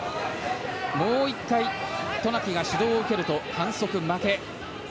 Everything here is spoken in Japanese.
もう１回、渡名喜が指導を受けると反則負け。